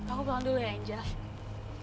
aku pulang dulu ya injah